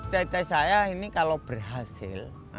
tete saya ini kalau berhasil